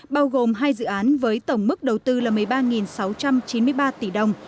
bao gồm hai dự án với tổng mức đầu tư là một mươi ba sáu trăm chín mươi ba tỷ đồng